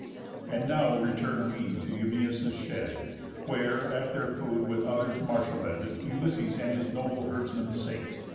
And now return we to Eumæus' shed, Where, at their food with others marshalléd, Ulysses and his noble herdsman sate.